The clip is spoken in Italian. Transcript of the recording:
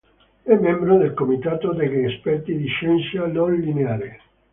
È membro del "Comitato degli esperti di scienza non lineare".